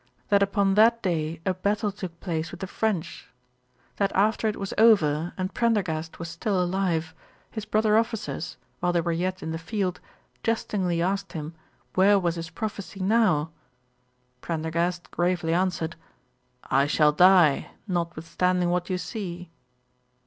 That upon that day a battle took place with the French; that after it was over, and Prendergast was still alive, his brother officers, while they were yet in the field, jestingly asked him, where was his prophecy now. Prendergast gravely answered. 'I shall die, notwithstanding what you see.'